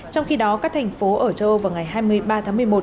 trong khi đó các thành phố ở châu âu vào ngày hai mươi ba tháng một mươi một